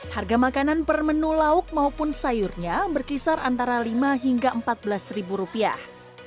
harga makanan per menu lauk maupun sayurnya berkisar antara lima hingga empat belas ribu rupiah